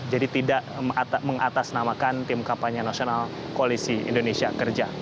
jadi tidak mengatasnamakan tim kampanye nasional koalisi indonesia kerja